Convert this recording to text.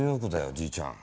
じいちゃん。